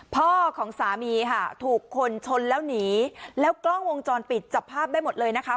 พ่อของสามีค่ะถูกคนชนแล้วหนีแล้วกล้องวงจรปิดจับภาพได้หมดเลยนะคะ